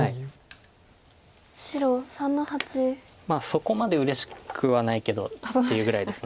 そこまでうれしくはないけどっていうぐらいです。